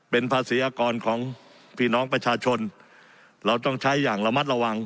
เป็นภาษีอากรของพี่น้องประชาชนเราต้องใช้อย่างระมัดระวัง